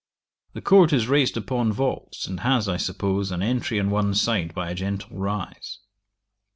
The court is raised upon vaults, and has, I suppose, an entry on one side by a gentle rise.